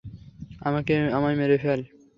আমায় মেরে ফেল।